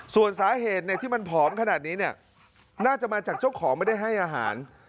ส่วนสาเหตุที่มันผอมขนาดนี้เนี่ยน่าจะมาจากเจ้าของไม่ได้ให้อาหาร